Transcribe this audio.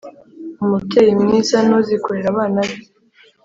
umubyeyi mwiza nuzi kurera abana be